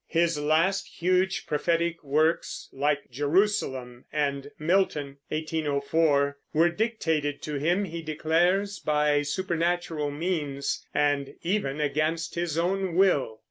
His last huge prophetic works, like Jerusalem and Milton (1804), were dictated to him, he declares, by supernatural means, and even against his own will.